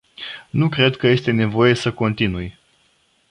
Nu cred că este nevoie să continui.